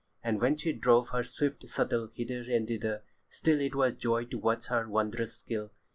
And when she drove her swift shuttle hither and thither, still it was joy to watch her wondrous skill.